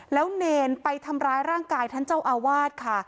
แล้วเนรไปทำร้ายร่างกายท่านเจ้าอาวาสค่ะ